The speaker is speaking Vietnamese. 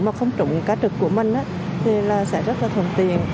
mà không trụng cá trực của mình thì sẽ rất là thông tiền